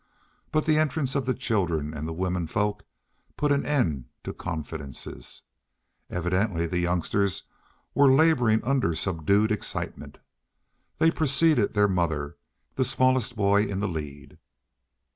But the entrance of the children and the women folk put an end to confidences. Evidently the youngsters were laboring under subdued excitement. They preceded their mother, the smallest boy in the lead.